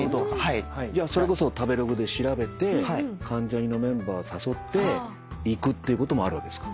それこそ食べログで調べて関ジャニのメンバー誘って行くっていうこともあるわけですか？